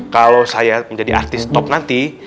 kalau saya menjadi artis top nanti